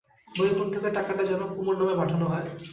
বৈকুণ্ঠকে টাকাটা যেন কুমুর নামে পাঠানো হয়।